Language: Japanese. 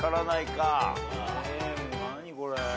・何これ。